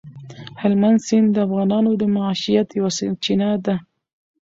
هلمند سیند د افغانانو د معیشت یوه سرچینه ده.